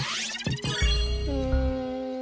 うん。